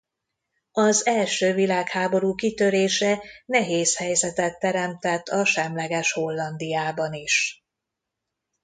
Az első világháború kitörése nehéz helyzetet teremtett a semleges Hollandiában is.